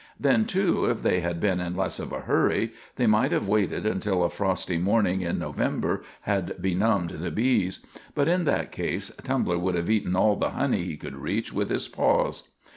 Then, too, if they had been in less of a hurry they might have waited until a frosty morning in November had benumbed the bees; but in that case Tumbler would have eaten all the honey he could reach with his paws.